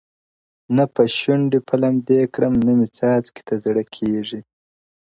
• نه په شونډي په لمدې کړم نه مي څاڅکي ته زړه کیږي,